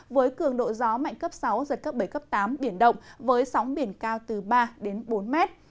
với cường độ gió mạnh cấp sáu giật cấp bảy cấp tám biển động với sóng biển cao từ ba bốn mét